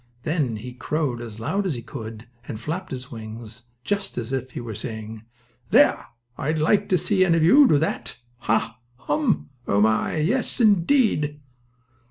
Then he crowed as loud as he could, and flapped his wings, just as if he were saying: "There! I'd like to see any of you do that! Ha! Hum! Oh my, yes, indeed!"